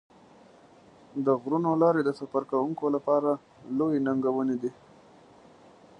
د غرونو لارې د سفر کوونکو لپاره لویې ننګونې دي.